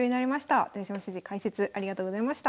豊島先生解説ありがとうございました。